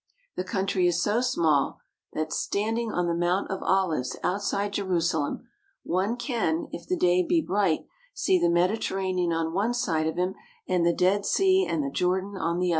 The country is so small that, stand ing on the Mount of Olives outside Jerusalem, one can, if the day be bright, see the Mediterranean on one side of him and the Dead Sea and the Jordan on the other.